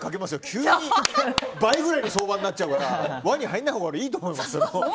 急に倍ぐらいの相場になっちゃうから輪に入らないほうがいいと思います。